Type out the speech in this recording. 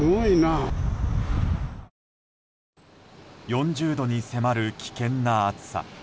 ４０度に迫る危険な暑さ。